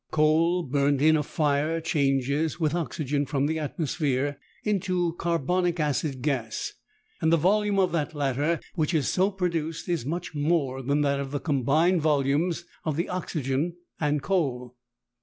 Coal burnt in a fire changes, with oxygen from the atmosphere, into carbonic acid gas, and the volume of that latter which is so produced is much more than that of the combined volumes of the oxygen and coal.